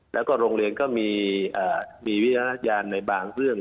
แล้วก็โรงเรียนก็มีวิจารณญาณในบางเรื่อง